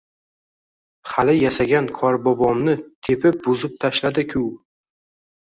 Hali yasagan qorbobomni tepib buzib tashladi-ku!